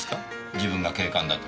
自分が警官だと。